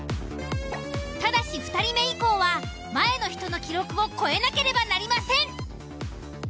ただし２人目以降は前の人の記録を越えなければなりません。